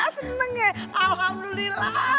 seneng ya alhamdulillah